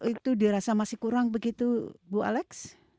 itu dirasa masih kurang begitu bu alex